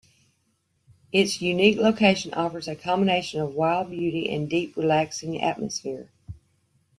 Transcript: Its unique location offers a combination of wild beauty and a deep relaxing atmosphere.